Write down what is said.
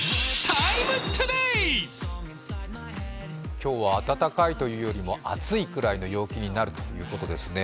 今日は暖かいというよりも暑いくちいの陽気になるそうですね。